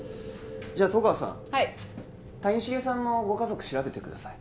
じゃあ戸川さん谷繁さんのご家族調べてください